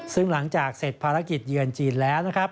ซึ่งหลังจากเสร็จภารกิจเยือนจีนแล้วนะครับ